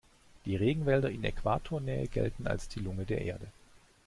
Die Regenwälder in Äquatornähe gelten als die Lunge der Erde.